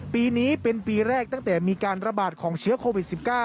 ปีนี้เป็นปีแรกตั้งแต่มีการระบาดของเชื้อโควิด๑๙